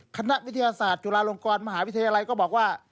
คณะวิทยาศาสตร์จุฬาลงกรมหาวิทยาลัยก็บอกว่า